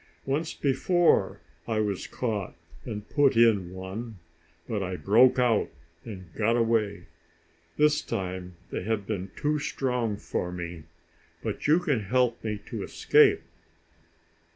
Once before I was caught and put in one, but I broke out and got away. This time they have been too strong for me. But you can help me to escape."